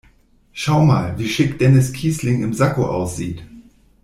Schau mal, wie schick Dennis Kießling im Sakko aussieht!